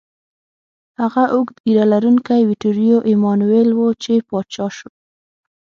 هغه اوږده ږیره لرونکی ویټوریو ایمانویل و، چې پاچا شو.